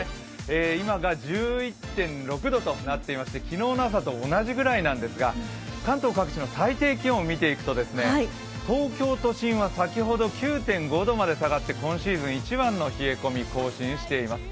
今が１１．６度となっていまして昨日の朝と同じくらいなんですが関東各地の最低気温を見ていくと、東京都心は先ほど９．５度まで下がって今シーズン一番の冷え込みを更新しています。